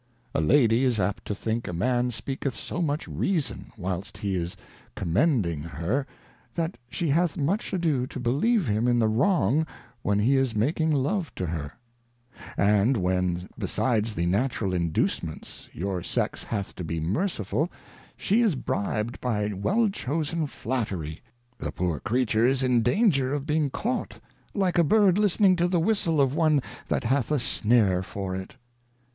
A Lady is apt to think a Man speaketh so much reason whilst he is Commending her, that she hath much ado to helieve him in the wrong when he is making Love to her : And when besides the natural Inducements your Sex hath to be merciful, she is bribed by well chosen Flattery, the poor Creature is in danger of being caught like a Bird listening to the Whilstle of one that hath a Snare for it.